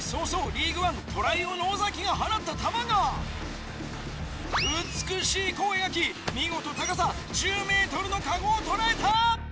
リーグワントライ王の尾が放った玉が美しい弧を描き見事高さ１０ｍのカゴを捉えた。